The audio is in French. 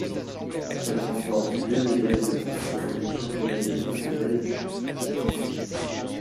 Elle remporte deux médailles de bronze lors des Championnats du monde de Daegu.